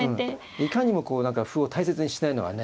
いかにも歩を大切にしないのはね